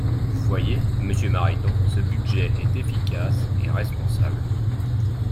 Vous voyez, monsieur Mariton, ce budget est efficace et responsable.